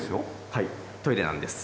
はいトイレなんです。